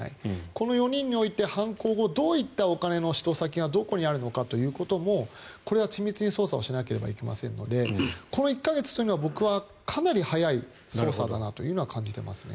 この４人において、犯行後どういったお金の使途先がどこにあるのかということもこれは緻密に捜査をしなければいけませんのでこの１か月というのは、僕はかなり早い捜査だなと感じていますね。